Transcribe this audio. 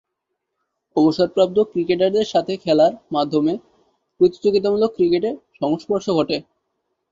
অবসরপ্রাপ্ত ক্রিকেটারদের সাথে খেলার মাধ্যমে প্রতিযোগিতামূলক ক্রিকেটে সংস্পর্শ ঘটে।